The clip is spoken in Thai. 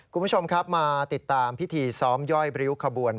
คุณผู้ชมครับมาติดตามพิธีซ้อมย่อยบริ้วขบวน